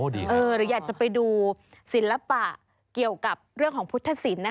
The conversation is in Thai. หรืออยากจะไปดูศิลปะเกี่ยวกับเรื่องของพุทธศิลป์